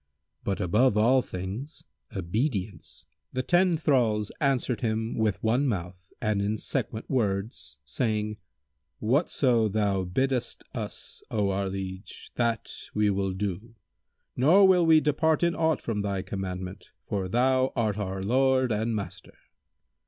But above all things obedience!" The ten thralls answered him with one mouth and in sequent words, saying, "Whatso thou biddest us, O our liege, that we will do, nor will we depart in aught from thy commandment, for thou art our lord and master."